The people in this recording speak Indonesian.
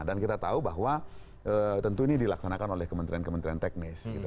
dan kita tahu bahwa tentu ini dilaksanakan oleh kementerian kementerian teknis